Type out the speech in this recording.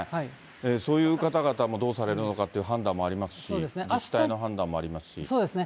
そういう方々もどうされるのかっていう判断もありますし、そうですね。